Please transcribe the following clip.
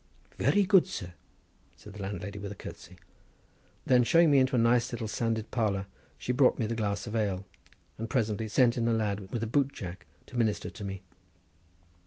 '" "Very good, sir," said the landlady with a curtsey. Then showing me into a nice little sanded parlour, she brought me the glass of ale, and presently sent in a lad with a boot jack to minister to me.